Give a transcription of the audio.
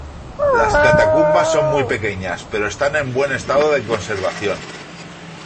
Las catacumbas son muy pequeñas, pero están en buen estado de conservación.